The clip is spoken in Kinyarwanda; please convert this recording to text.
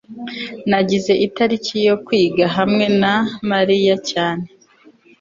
nagize itariki yo kwiga hamwe na mariya cyane